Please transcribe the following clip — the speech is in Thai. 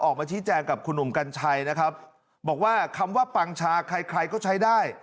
ออกมาชี้แจงกับคุณหนุ่มกัญชัยนะครับบอกว่าคำว่าปังชาใครใครก็ใช้ได้